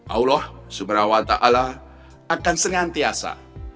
allah swt akan senantiasa